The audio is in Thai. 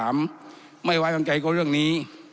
ไม่ไหวกันใจก็เรื่องนี้